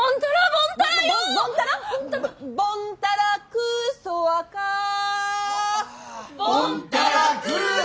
ボンタラクーソワカー。